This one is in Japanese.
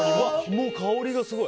もう香りがすごい。